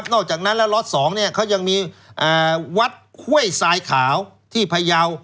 นอกจากฉะนั้นส่วนล็อตสองเขายังมีวัดข้วยที่พระเว้าที่ไพเยา